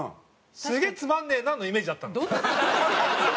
「すげえつまんねえな」のイメージだったの。